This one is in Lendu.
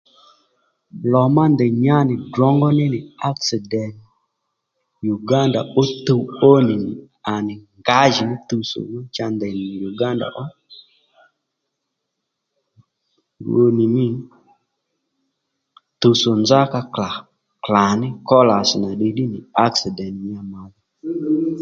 Lò má ndèy nyá nì drǒngó ní ní aksidènt Uganda ó tuw ónì à nì ngǎjìní tuwtsò má ndèy nì Uganda ó rwo nì mî tuwtsò nzá ka klà klà ní kólas nà nì ddí nì aksidèt nya mà dho